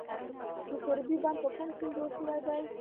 د سروبي بند په کوم سیند جوړ شوی دی؟